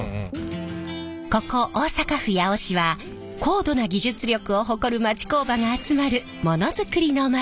ここ大阪府八尾市は高度な技術力を誇る町工場が集まるものづくりの町。